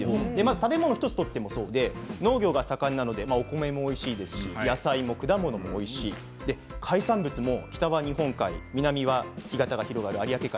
食べ物１つとってもそうで農業が盛んなのでお米もおいしいし野菜や果物もおいしい、海産物も北は日本海南は干潟が広がる有明海。